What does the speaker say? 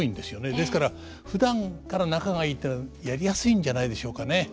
ですからふだんから仲がいいっていうのはやりやすいんじゃないでしょうかね。